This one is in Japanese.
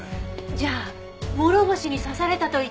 じゃあ諸星に刺されたと言ったのは。